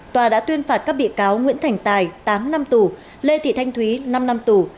tòa đã tuyên phạt các bị cáo nguyễn thành tài tám năm tù lê thị thanh thúy năm năm tù